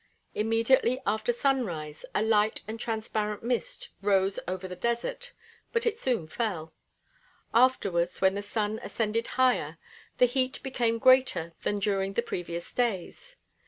Immediately after sunrise a light and transparent mist rose over the desert, but it soon fell. Afterwards when the sun ascended higher, the heat became greater than during the previous days.